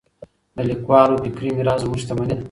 د لیکوالو فکري میراث زموږ شتمني ده.